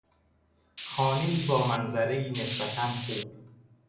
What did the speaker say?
خانهای با منظرهی نسبتا خوب